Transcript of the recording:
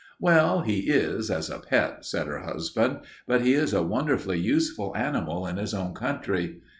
"Well, he is, as a pet," said her husband, "but he is a wonderfully useful animal in his own country.